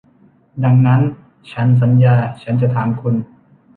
ดังนั้นฉันสัญญาฉันจะถามคุณ